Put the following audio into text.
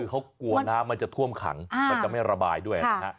คือเขากลัวน้ำมันจะท่วมขังมันจะไม่ระบายด้วยนะฮะ